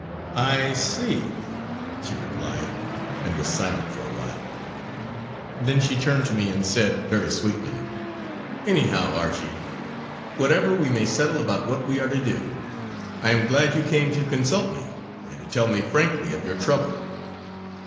"I see!" she replied and was silent for a while. Then she turned to me and said very sweetly: "Anyhow Archie, whatever we may settle about what we are to do, I am glad you came to consult me and to tell me frankly of your trouble.